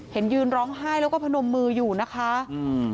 ยืนร้องไห้แล้วก็พนมมืออยู่นะคะอืม